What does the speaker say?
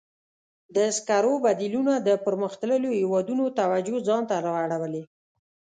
د سکرو بدیلونه د پرمختللو هېوادونو توجه ځان ته را اړولې.